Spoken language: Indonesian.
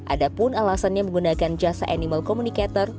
ada pun alasannya menggunakan jasa animal communicator